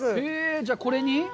じゃあこれに？